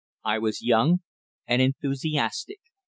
I was young and enthusiastic.